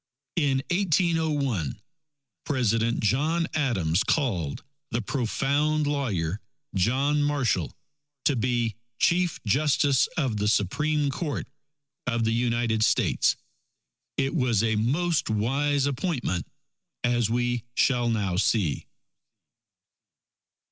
In 1801, President John Adams called the profound lawyer, John Marshall, to be Chief Justice of the Supreme Court of the United States. It was a most wise appointment, as we shall now see.